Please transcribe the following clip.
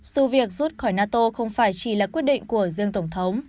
sự việc rút khỏi nato không phải chỉ là quyết định của riêng tổng thống